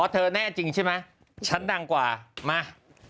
เธอแน่จริงใช่ไหมฉันดังกว่ามา